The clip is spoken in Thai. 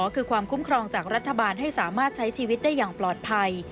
คือความคุ้มครองจากรัฐบาลให้สามารถใช้ชีวิตได้อย่างปลอดภัย